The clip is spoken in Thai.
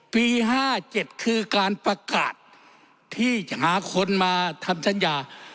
ปี๕๗คือการประกาศที่จะหาคนมาทำสัญญา